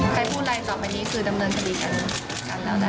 ใครพูดอะไรต่อไปนี้คือดำเนินคดีกันแล้วนะ